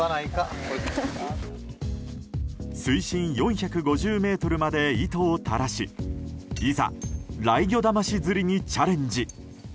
水深４５０ｍまで糸を垂らしいざ、ライギョダマシ釣りにチャレンジ！